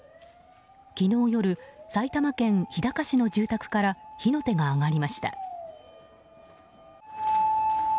昨日夜、埼玉県日高市の住宅から火の手が上がりました。